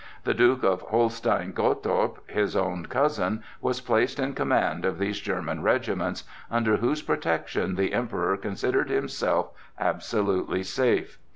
The Duke of Holstein Gottorp, his own cousin, was placed in command of these German regiments, under whose protection the Emperor considered himself absolutely safe.